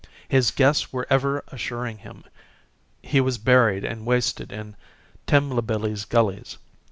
His guests were ever assuring him he was buried and wasted in Timlinbilly's gullies.